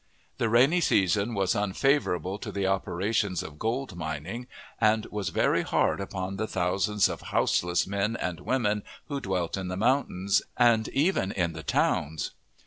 The rainy season was unfavorable to the operations of gold mining, and was very hard upon the thousands of houseless men and women who dwelt in the mountains, and even in the towns.